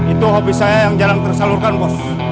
itu hobi saya yang jarang tersalurkan bos